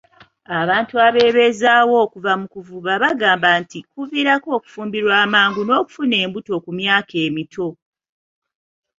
Abantu abebeezaawo okuva mu kuvuba bagamba nti kuviirako okufumbirwa amangu n'okufuna embuto ku myaka emito.